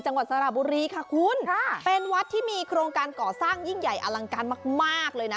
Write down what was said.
จังหวัดสระบุรีค่ะคุณค่ะเป็นวัดที่มีโครงการก่อสร้างยิ่งใหญ่อลังการมากมากเลยนะ